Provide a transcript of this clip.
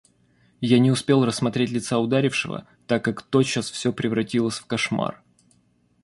Я не успел рассмотреть лица ударившего, так как тотчас все превратилось в кошмар.